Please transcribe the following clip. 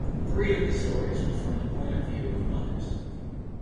Three of the stories were from the point of view of mothers.